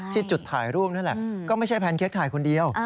ที่จุดถ่ายรูปนั่นแหละก็ไม่ใช่แพนเค้กถ่ายคนเดียว